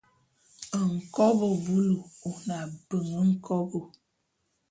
Nkobô bulu ô ne abeng nkobo.